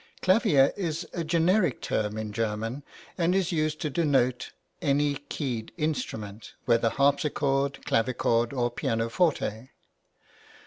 Clavier is a generic term in German, and is used to denote any keyed instrument, whether harpsichord, clavichord, or pianoforte.